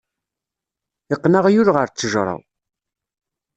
Iqqen aɣyul ɣer ttejra.